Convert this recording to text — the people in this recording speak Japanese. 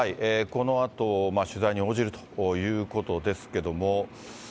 このあと、取材に応じるということですけども。